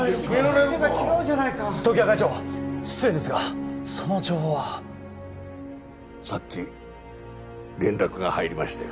常盤会長失礼ですがその情報はさっき連絡が入りましたよ